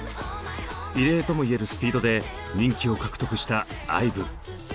異例とも言えるスピードで人気を獲得したＩＶＥ。